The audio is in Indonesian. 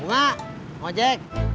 bunga mau cek